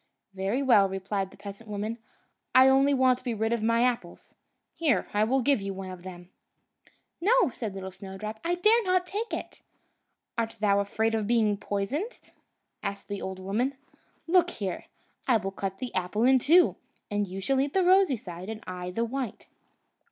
"Very well," replied the peasant woman; "I only want to be rid of my apples. Here, I will give you one of them!" "No!" said Snowdrop, "I dare not take it." "Art thou afraid of being poisoned?" asked the old woman. "Look here; I will cut the apple in two, and you shall eat the rosy side, and I the white."